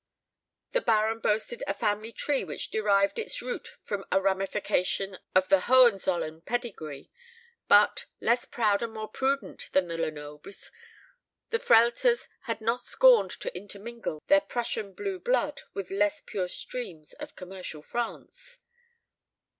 The Baron boasted a family tree which derived its root from a ramification of the Hohenzollern pedigree; but, less proud and more prudent than the Lenobles, the Frehlters had not scorned to intermingle their Prussian blue blood with less pure streams of commercial France.